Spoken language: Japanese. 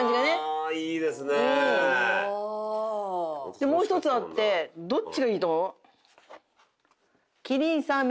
でもう一つあってどっちがいいと思う？